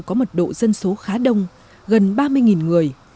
có mật độ dân số khá đông gần ba mươi người